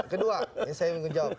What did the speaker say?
kedua saya ingin menjawab